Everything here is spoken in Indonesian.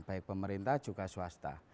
baik pemerintah juga swasta